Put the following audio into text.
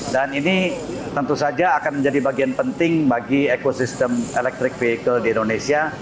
dan ini tentu saja akan menjadi bagian penting bagi ekosistem elektrik pihikel di indonesia